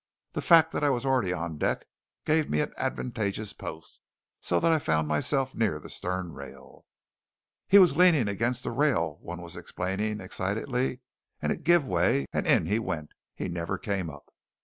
The fact that I was already on deck gave me an advantageous post; so that I found myself near the stern rail. "He was leaning against the rail," one was explaining excitedly, "and it give way, and in he went. He never came up!"